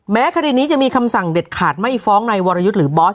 คดีนี้จะมีคำสั่งเด็ดขาดไม่ฟ้องในวรยุทธ์หรือบอส